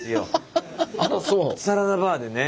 サラダバーでね